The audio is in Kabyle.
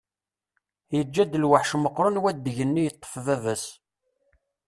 Yeǧǧa-d lweḥc meqqren wadeg-nni yeṭṭef baba-s.